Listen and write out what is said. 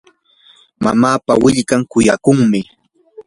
mamapa willkan kuyakuqmi.